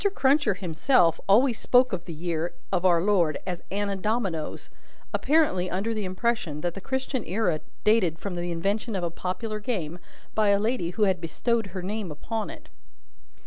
Cruncher himself always spoke of the year of our Lord as Anna Dominoes: apparently under the impression that the Christian era dated from the invention of a popular game, by a lady who had bestowed her name upon it.)